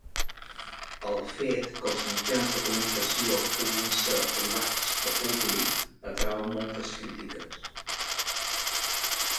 El fet que els mitjans de comunicació puguin ser privats o públic atrau moltes crítiques.